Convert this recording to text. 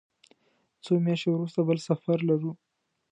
څو میاشتې وروسته بل سفر لرو.